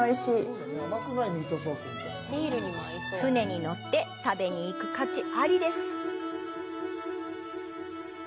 舟に乗って食べにいく価値ありです。